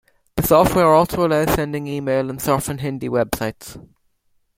The software also allows sending email and surfing Hindi websites.